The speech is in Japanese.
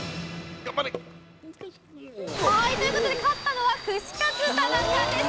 頑張れはいということで勝ったのは串カツ田中です